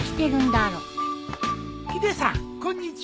ヒデさんこんにちは。